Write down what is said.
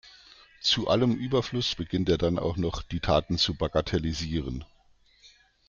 Zu allem Überfluss beginnt er dann auch noch, die Taten zu bagatellisieren.